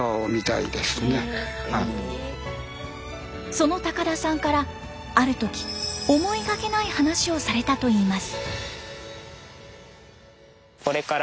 その高田さんからある時思いがけない話をされたといいます。